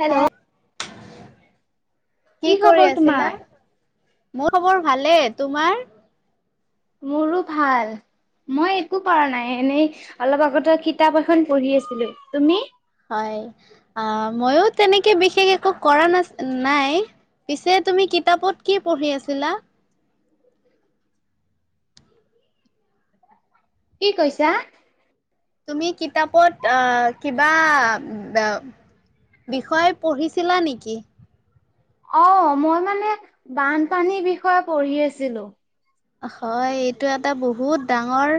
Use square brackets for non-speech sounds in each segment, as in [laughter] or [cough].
Hello hi কি কৰি খবৰ আছিলা তোমাৰ? মোৰ খবৰ ভালে। তোমাৰ? মোৰো ভাল। মই একো কৰা নাই, এনেই অলপ আগতে কিতাপ এখন পঢ়ি আছিলো। তুমি? হয় আ মইও তেনেকে বিশেষ একো কৰা না নাই। পিছে তুমি কিতাপত কি পঢ়ি আছিলা? কি কৈছা? তুমি কিতাপত আহ কিবা। বিষয় পঢ়িছিলা নেকি? অ', মই মানে বানপানীৰ বিষয়ে পঢ়ি আছিলোঁ। হয়, এইটো এটা বহুত ডাঙৰ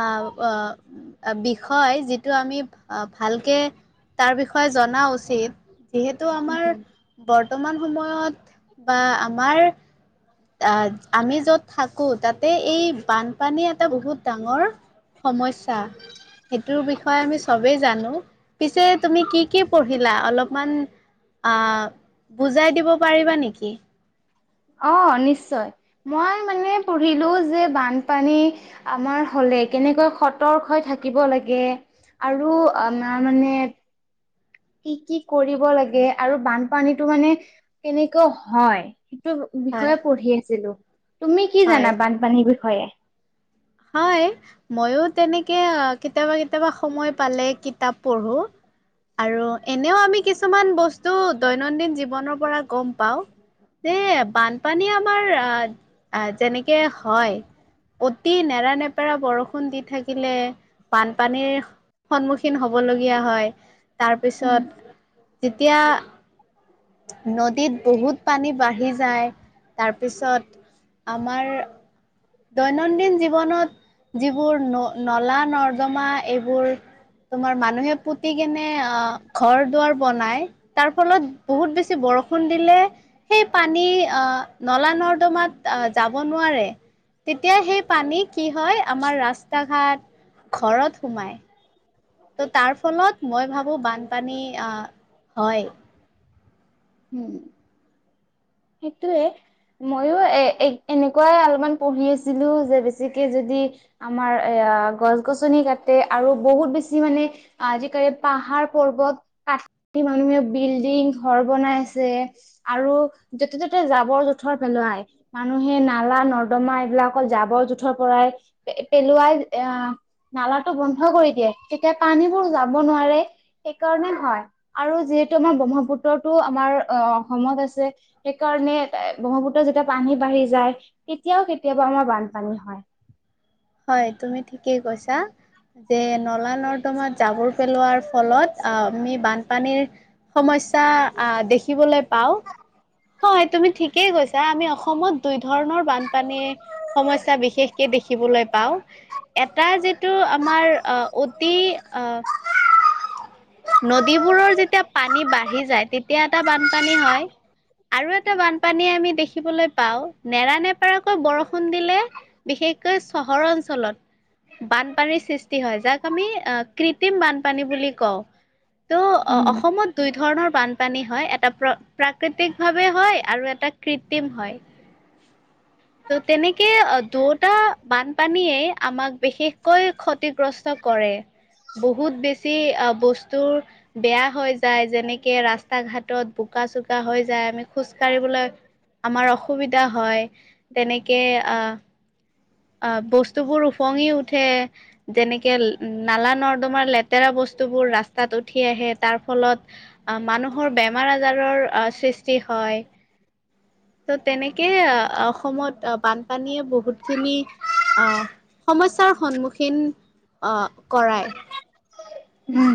আহ অ'। বিষয় যিটো আমি ভালকে তাৰ বিষয়ে জনা উচিত। যিহেতু আমাৰ উম, বৰ্তমান সময়ত বা আমাৰ আহ আমি য'ত থাকো তাতে এই বানপানী এটা বহুত ডাঙৰ। সমস্যা। সেইটোৰ বিষয়ে আমি চবেই জানো পিছে তুমি কি কি পঢ়িলা, অলপমান আহ বুজাই দিব পাৰিবা নেকি? অ', নিশ্চয় মই মানে পঢ়িলো যে বানপানী। আমাৰ হলে কেনেকৈ সতৰ্ক হৈ থাকিব লাগে। আৰু আমাৰ মানে। কি, কি কৰিব লাগে আৰু বানপানীটো মানে কেনেকৈ হয়। সেইটো হয় বিষয়ে পঢ়ি আছিলো, তুমি কি হয় জানা বানপানীৰ বিষয়ে? হয়। ময়ো তেনেকে কেতিয়াবা কেতিয়াবা সময় পালে কিতাপ পঢ়ো। আৰু এনেও আমি কিছুমান বস্তু দৈনন্দিন জীৱনৰ পৰা গম পাওঁ। এ বানপানী আমাৰ আহ যেনেকে হয়। অতি নেৰানেপেৰা বৰষুণ দি থাকিলে বানপানীৰ। সন্মুখীন হবলগীয়া হয় উম, তাৰপিছত যেতিয়া নদীত বহুত পানী বাঢ়ি যায়, তাৰপিছত আমাৰ। দৈনন্দিন জীৱনত যিবোৰ ন- নলা নৰ্দমা এইবোৰ। তোমাৰ মানুহে পুতি কেনে অ', ঘৰ দুৱাৰ। বনাই তাৰ ফলত বহুত বেছি বৰষুণ দিলে। সেই পানী নলা নৰ্দমাত যাব নোৱাৰে। তেতিয়া সেই পানী কি হয়, আমাৰ ৰাস্তা ঘাট ঘৰত সোমাই। ত' তাৰ ফলত মই ভাবো বানপানী আহ হয়। উম। সেইটোৱে। ময়ো এ এনেকুৱাই অলপমান পঢ়ি আছিলোঁ যে বেছিকৈ যদি। আমাৰ এ গছ গছনি কাটে আৰু বহুত বেছি মানে। আজিকালি পাহাৰ পৰ্বত কা। মানুহে বিল্ডিং ঘৰ বনাই আছে আৰু। যতে ত'তে জাবৰ জোথৰ পেলোৱায়। মানুহে নালা নৰ্দমা এইবিলাক জাবৰ জোথৰ পৰাই পেলোৱাই আহ নালাটো বন্ধ কৰি দিয়ে, তেতিয়া পানীবোৰ যাব নোৱাৰে। সেইকাৰণে হয়। আৰু যিহেতু আমাৰ ব্ৰহ্মপুত্ৰটো আমাৰ অ অসমত আছে। সেইকাৰণে ব্ৰহ্মপুত্ৰ যেতিয়া পানী বাঢ়ি যায় তেতিয়াও কেতিয়াবা আমাৰ বানপানী হয়। হয়। তুমি ঠিকেই কৈছা, যে নলা নৰ্দমাৰ জাবৰ পেলোৱাৰ ফলত আমি বানপানীৰ সমস্যা দেখিবলৈ পাওঁ। হয়, তুমি ঠিকেই কৈছা, আমি অসমত দুই ধৰণৰ বানপানী সমস্যা বিশেষকে দেখিবলৈ পাওঁ, এটা যিটো আমাৰ অতি অ' নদীবোৰৰ যেতিয়া পানী বাঢ়ি যায় তেতিয়া এটা বানপানী হয়। আৰু এটা বানপানী আমি দেখিবলৈ পাওঁ নেৰানেপাৰাকৈ বৰষুণ দিলে বিশেষকৈ চহৰ অঞ্চলত বানপানীৰ সৃষ্টি হয়, যাক আমি কৃত্ৰিম বানপানী বুলি কওঁ। ত' উম, অসমত দুই ধৰণৰ বানপানী হয়, এটা প্ৰ প্ৰাকৃতিক ভাৱে হয় আৰু এটা কৃত্ৰিম হয়। [inaudible] ত' তেনেকে দুয়োটা বানপানীয়ে আমাক বিশেষকৈ ক্ষতিগ্ৰস্ত কৰে, বহুত বেছি আহ বস্তুৰ বেয়া হৈ যায়, যেনেকে ৰাস্তা ঘাটত বোকা চোকা হৈ যায় আমি খোজ কাঢ়িবলৈ আমাৰ অসুবিধা হয়, তেনেকে আহ আহ বস্তুবোৰ ওফঙি উঠে যেনেকে নালা নৰ্দমাৰ লেতেৰা বস্তুবোৰ ৰাস্তাত উঠি আহে তাৰ ফলত মানুহৰ বেমাৰ আজাৰৰ সৃষ্টি হয়। ত' তেনেকে অসমত বানপানীয়ে বহুতখিনি সমস্যাৰ সন্মুখীন কৰায়। উম,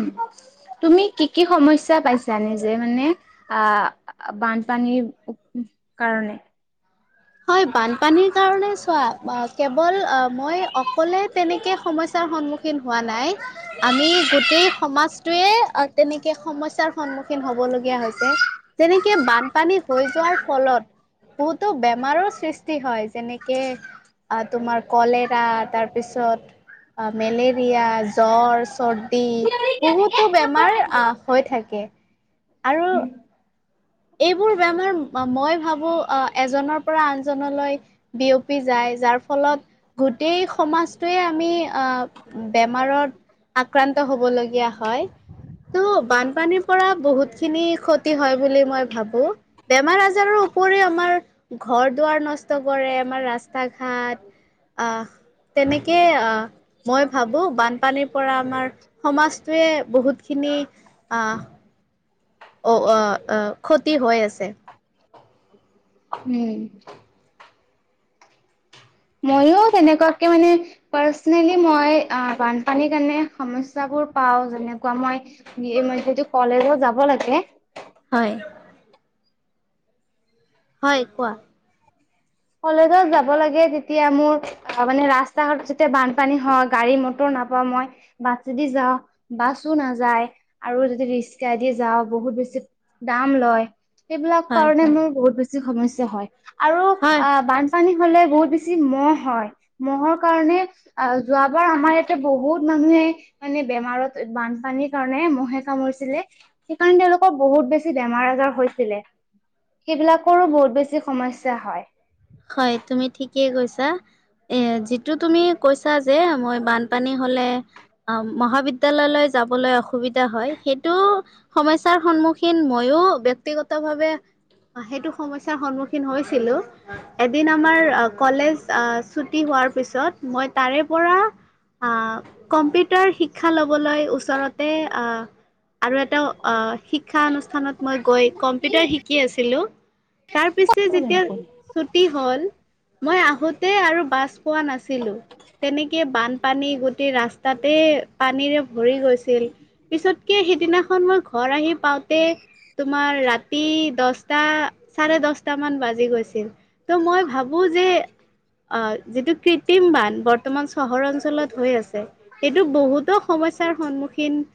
তুমি কি কি সমস্যা পাইছা নিজে মানে আহ বানপানীৰ কাৰনে? হয়। বানপানীৰ কাৰণে চোৱা কেৱল মই অকলে তেনেকে সমস্যাৰ সন্মুখীন খীন হোৱা নাই। আমি গোটেই সমাজটোৱে তেনেকে সমস্যাৰ সন্মুখীন হ'বলগীয়া হৈছে। তেনেকে বানপানী হৈ যোৱাৰ ফলত বহুতো বে বমাৰৰ সৃষ্টি হয়। যেনেকে তোমাৰ ক'লেৰা তাৰপিছত আহ, মেলেৰিয়া জ্বৰ চৰ্দি দি বহুতো বেমাৰ আহ হৈ থাকে। আৰু উম। এইবোৰ বেমাৰ মই ভাবোঁ এজনৰ পৰা আনজনলৈ বিয়পি যায়। যাৰ ফলত গোটেই সমাজটোৱে আমি আহ বেমাৰত আক্ৰান্ত হ'বলগীয়া হয়। ত' বানপানীৰ পৰা বহুত খিনি ক্ষতি হয় বুলি মই বো। বেমাৰ আজাৰৰ ওপৰিও আমাৰ ঘৰ দুৱাৰ নষ্ট ষ্ট কৰে আমাৰ ৰাস্তা ঘাট, আহ তেনেকেই আহ মই ভাবো বানপানীৰ পৰা আমাৰ সমাজটোৱে বহুতখিনি আহ অ' ক্ষতি হৈ আছে। উম। মইয়ো তেনেকুৱাকে মানে পাৰ্চনেলি মই আহ বানপানীৰ কাৰণে সমস্যাবোৰ পাওঁ। যেনেকুৱা মই [unintelligible] যদি কলেজত যাব লাগে হয়। হয় কোৱা। কলেজত যাব লাগে, তেতিয়া মোৰ মানে ৰাস্তা-ঘাট যেতিয়া বানপানী হয়, গাড়ী-মটৰ নাপাওঁ মই। বাছেদি যাওঁ, বাছো নাযায় আৰু যদি ৰিক্সাইদি যাওঁ বহুত বেছি দাম লয়, সেইবিলাক হয় কাৰণে হয় মোৰ বহুত বেছি সমস্যা হয়। আৰু হয় আ' বানপানী হ'লে বহুত বেছি ম'হ হয়। ম'হৰ কাৰণে আহ যোৱাবাৰ আমাৰ ইয়াতে বহুত মানুহে মানে বেমাৰত বানপানীৰ কাৰণে ম'হে কামুৰিছিলে। সেইকাৰণে তেওঁলোকৰ বহুত বেছি বেমাৰ-আজাৰ হৈছিলে। সেইবিলাকৰো বহুত বেছি সমস্যা হয়। হয়, তুমি ঠিকেই কৈছা। এ যিটো তুমি কৈছা যে, মই বানপানী হ'লে মহাবিদ্যালয়লৈ যাবলৈ অসুবিধা হয়। সেইটো সমস্যাৰ সন্মুখীন মইয়ো ব্যক্তিগতভাৱে অ' সেইটো সমস্যাৰ সন্মুখীন হৈছিলো। এদিন আমাৰ কলেজ ছুটি হোৱাৰ পিছত মই তাৰে পৰা আহ, কম্পিউটাৰ শিক্ষা লবলৈ ওচৰতে আহ আৰু এটা শিক্ষা অনুষ্ঠানত মই গৈ কম্পিউটাৰ শিকি আছিলো। তাৰ পিছে যেতিয়া হয় ছুটি হ'ল। মই আহোঁতেই আৰু বাছ পোৱা নাছিলো। তেনেকে বানপানী গোটেই ৰাস্তাতে পানীৰে ভৰি গৈছিল, পিছতকে সেইদিনাখন মই ঘৰ আহি পাওঁতে। তোমাৰ ৰাতি দহটা, চাৰে দহটা মান বাজি গৈছিল। ত' মই ভাবো যে অ' যিটো কৃত্ৰিম বান বৰ্তমান চহৰ অঞ্চলত হৈ আছে। এইটো বহুতৰ সমস্যাৰ সন্মুখীন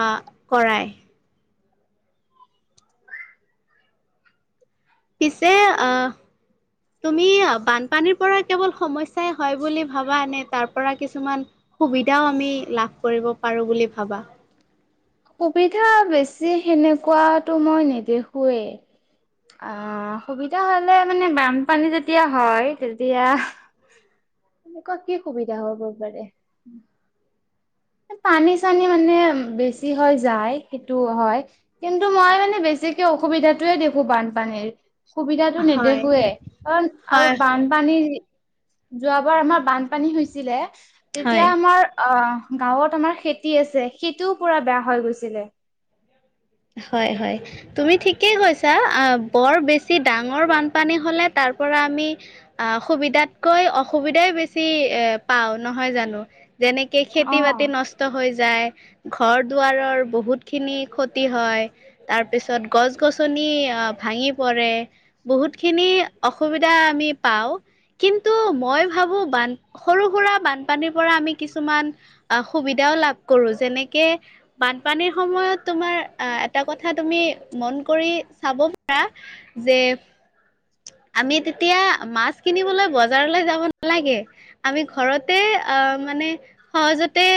আহ কৰাই। পিছে আহ তুমি বানপানীৰ পৰা কেৱল সমস্যাই হয় বুলি ভাবা নে? তাৰ পৰা কিছুমান সুবিধাও আমি লাভ কৰিব পাৰো বুলি ভাবা? সুবিধা বেছি সেনেকোৱাটো মই নেদেখোঁয়ে। অ' সুবিধা হলে মানে বানপানী যেতিয়া হয় তেতিয়া এনেকুৱা কি সুবিধা হব পাৰে? পানী-চানী মানে বেছি হয় যায় সেইটো হয়। কিন্তু মই মানে বেছিকে অসুবিধাতোৱে দেখো বানপানীৰ। সুবিধাটো হয় নেদেখোৱে, কাৰণ আৰু বান হয় পানী যোৱাবাৰ আমাৰ বানপানী হৈছিলে। তেতিয়া হয় আমাৰ অ' গাঁৱত আমাৰ খেতি আছে, সেইটোও পুৰা বেয়া হৈ গৈছিলে। হয় হয়। তুমি ঠিকেই কৈছা, বৰ বেছি ডাঙৰ বানপানী হলে তাৰ পৰা আমি আ' সুবিধাতকৈ অসুবিধাই বেছি পাও নহয় জানো, যেনেকে অ খেতি-বাতি নষ্ট হৈ যায়, ঘৰ-দুৱাৰৰ বহুত খিনি ক্ষ ক্ষতি হয়, তাৰ পিছত গছ-গছনি আ ভাঙি পৰে। বহুতখিনি অসুবিধা আমি পাওঁ। কিন্তু মই ভাবোঁ বান সৰু সুৰা বানপানীৰ পৰা আমি কিছুমান, আহ সুবিধাও লাভ কৰো যেনেকে বানপানীৰ সময়ত তোমাৰ, আহ এটা কথা তুমি মন কৰি চাব পাৰা যে, আমি তেতিয়া মাছ কিনিবলৈ বজাৰলৈ যাব নালাগে। আমি ঘৰতে আ মানে, সহজতে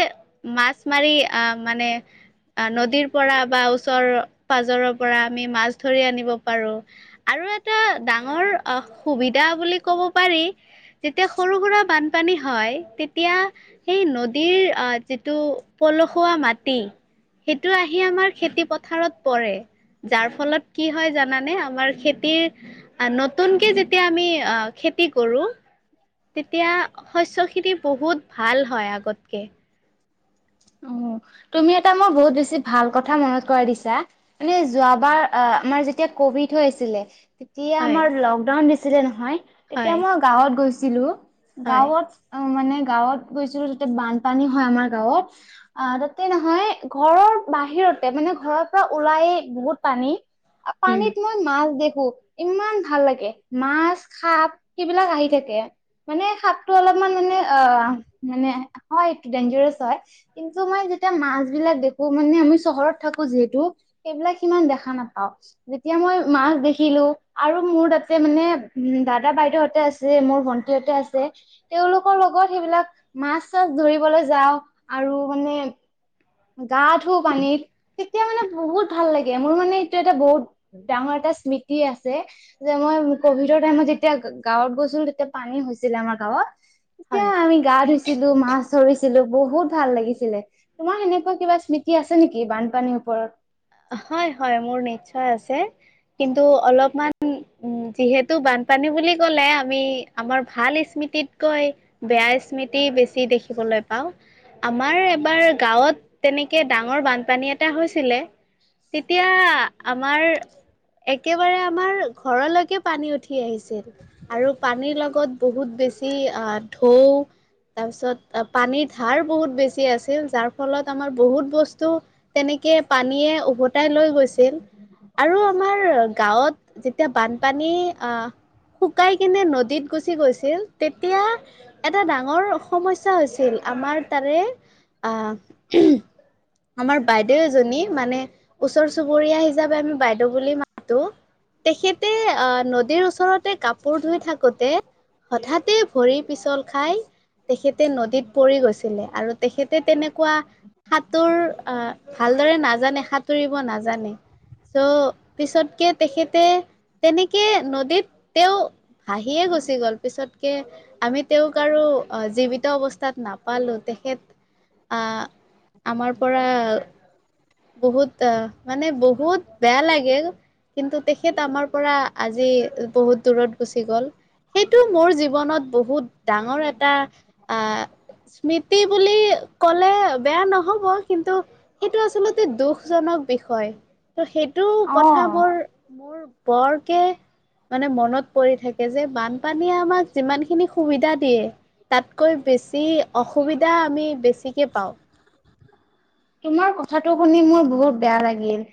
মাছ মাৰি আহ মানে, নদীৰ পৰা বা ওচৰ পাজৰৰ পৰা আমি মাছ ধৰি আনিব পাৰো। আৰু এটা ডাঙৰ আহ সুবিধা বুলি কব পাৰি, যেতিয়া সৰু সুৰা বানপানী হয় তেতিয়া সেই নদীৰ আ, যিটো পলসুৱা মাটি সেইটো আহি আমাৰ খেতি পথাৰত পৰে। যাৰ ফলত কি হয় জানানে আমাৰ খেতিৰ, নতুনকৈ যেতিয়া আমি আ খেতি কৰোঁ, তেতিয়া শস্যখিনি বহুত ভাল হয় আগতকে। অ তুমি এটা মোৰ বহুত বেছি ভাল কথা মনত কৰা দিছা। মানে যোৱাবাৰ আ আমাৰ যেতিয়া কভিড হৈ আছিলে। যেতিয়া হয় আমাৰ লকডাউন দিছিলে নহয় তেতিয়া হয় মই গাঁৱত গৈছিলো হয় গাঁৱত, মানে গাঁৱত গৈছিলো যেতিয়া বানপানী হয় আমাৰ গাঁৱত, অ তাতে নহয় ঘৰৰ বাহিৰতে মানে ঘৰৰ পৰা ওলাই বহুত পানী, উম পানীত মই মাছ দেখো। ইমান ভাল লাগে মাছ সাপ সেইবিলাক আহি থাকে। মানে সাপটো অলপমান মানে অ মানে হয় এইটো ডেন্জাৰছ হয়। কিন্তু মই যেতিয়া মাছ বিলাক দেখো মানে আমি চহৰত থাকো যিহেতু। সেইবিলাক সিমান দেখা নাপাও যেতিয়া মই মাছ দেখিলো। আৰু মোৰ তাতে মানে দাদা বাইদেউহতে আছে মোৰ ভন্টিহতে আছে। তেওঁলোকৰ লগত সেইবিলাক মাছ চাছ ধৰিবলৈ যাওঁ আৰু মানে, গা ধুও পানীত, তেতিয়া মানে বহুত ভাল লাগে। সেইবোৰ মানে বহুত ডাঙৰ এটা স্মৃতি আছে যে মই কভিডৰ টাইমত যে, এতিয়া গাঁৱত গৈছিলোঁ তেতিয়া পানী হৈছিলে আমাৰ গাঁৱত তেতিয়া হয় আমি গা ধুইছিলো মাছ ধৰিছিলো বহুত ভাল লাগিছিলে তোমাৰ সেনে, কিবা স্মৃতি আছে নেকি বানপানীৰ ওপৰত, হয় হয় মোৰ নিশ্চয় আছে কিন্তু অলপমান, উম যিহেতু বানপানী বুলি ক'লে আমি আমাৰ ভাল স্মৃতিতকৈ, বেয়া স্মৃতি বেছি দেখিবলৈ পাও। আমাৰ এবাৰ গাঁৱত তেনেকে ডাঙৰ বানপানী এটা হৈছিলে। তেতিয়া আমাৰ, একেবাৰে আমাৰ ঘৰলৈকে পানী উঠি আহিছিল। আৰু পানীৰ লগত বহুত বেছি আহ ঢৌ, তাৰপিছত পানীৰ ধাৰ বহুত বেছি আছিল যাৰ ফলত আমাৰ বহুত বস্তু, তেনেকে পানীয়ে উভতাই লৈ গৈছিল। আৰু আমাৰ গাঁৱত যেতিয়া বানপানী আহ শুকাই, কিনে নদীত গুচি গৈছিল তেতিয়া এটা ডাঙৰ, সমস্যা হৈছিল আমাৰ তাৰে আ, আমাৰ বাইদেউ এজনী মানে ওচৰ চুবুৰীয়া হিচাপে আমি বাইদেউ বুলি মাতো, তেখেতে আহ নদীৰ ওচৰতে কাপোৰ ধুই থাকোতে, হঠাতে ভৰি পিচল খাই। তেখেতে নদীত পৰি গৈছিলে আৰু তেখেতে তেনেকুৱা সাঁতোৰ আহ ভালদৰে নাজানে সাঁতুৰিব নাজানে। চ' পিছতকে তেখেতে তেনেকে নদীত তেওঁ ভাহিয়ে গুচি গ'ল পিছতকে। আমি তেওঁক আৰু জীৱিত অৱস্থাত নাপালোঁ তেখেত আ আমাৰ পৰা বহুত মানে বহুত বেয়া লাগিল। কিন্তু তেখেত আমাৰ পৰা আজি বহুত দূৰত গুচি গ'ল। সেইটো মোৰ জীৱনত বহুত ডাঙৰ এটা আ স্মৃতি বুলি ক'লে বেয়া নহব কিন্তু সেইটো আচলতে জনক বিষয় ত' সেইটো কথা অ মোৰ মোৰ বৰকে মানে মনত পৰি থাকে যে বানপানীয়ে আমাক যিমান খিনি সুবিধা দিয়ে। তাতকৈ বেছি অসুবিধা আমি বেছিকৈ পাওঁ। [inaudible] তোমাৰ কথাটো শুনি মোৰ বহুত বেয়া লাগিল।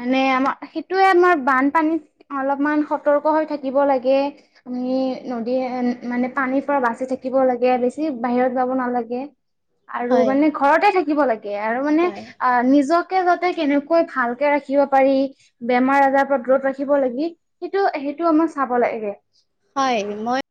মানে আমাৰ সেইটোয়ে আমাৰ বানপানীত অলপমান সতৰ্ক হৈ থাকিব লাগে। আমি নদী মানে পানীৰ পৰা বাচি থাকিব লাগে বেছি বাহিৰত যাব নালাগে। আৰু হয় মানে ঘৰতে লাগে আৰু মানে। হয় আ নিজকে যাতে কেনেকৈ ভালকে ৰাখিব পাৰি। বেমাৰ আজাৰ পৰা দূৰত ৰাখিব লাগি সেইটো সেইটো আমাক চাব লাগে। হয় মই